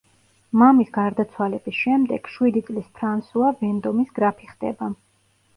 მამის გარდაცვალების შემდეგ, შვიდი წლის ფრანსუა ვენდომის გრაფი ხდება.